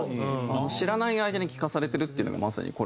知らない間に聴かされてるっていうのがまさにこれで。